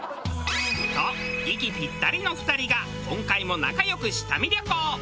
と息ピッタリの２人が今回も仲良く下見旅行。